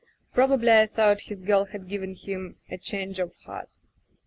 Probably, I thought, his girl had given him a change of heart.